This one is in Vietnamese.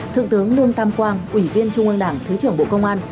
thượng tướng lương tam quang ủy viên trung ương đảng thứ trưởng bộ công an